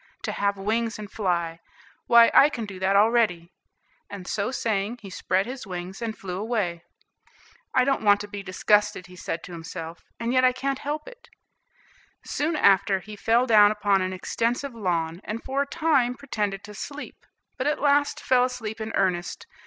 To have wings and fly! why, I can do that already;" and so saying, he spread his wings and flew away. "I don't want to be disgusted," he said to himself, "and yet I can't help it." Soon after, he fell down upon an extensive lawn, and for a time pretended to sleep, but at last fell asleep in earnest.